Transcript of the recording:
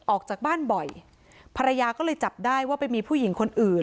ออกจากบ้านบ่อยภรรยาก็เลยจับได้ว่าไปมีผู้หญิงคนอื่น